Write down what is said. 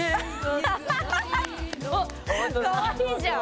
かわいいじゃん。